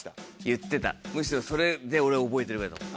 言ってたむしろそれで俺覚えてるぐらいだもん。